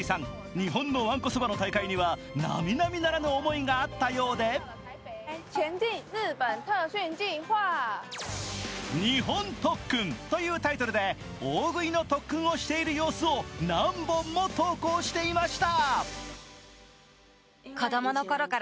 日本のわんこそばの大会には並々ならぬ思いがあったようで「日本特訓」というタイトルで大食いの特訓をしている様子を何本も投稿していました。